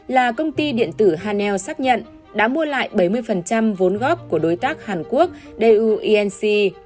là công ty điện tử hanel xác nhận đã mua lại bảy mươi vốn góp của đối tác hàn quốc daewoo enc